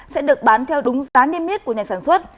sẽ được bán theo đúng giá niêm yết của nhà sản xuất